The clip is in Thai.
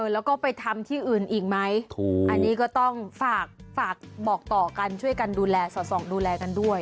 แล้วก็ไปทำที่อื่นอีกไหมอันนี้ก็ต้องฝากบอกต่อกันช่วยกันดูแลสอดส่องดูแลกันด้วย